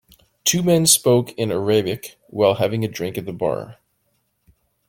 Two men spoke in Arabic while having a drink at the bar.